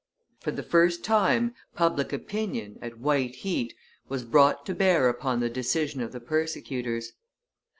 For the first time, public opinion, at white heat, was brought to bear upon the decision of the persecutors.